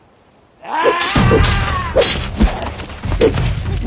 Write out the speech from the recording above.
ああ！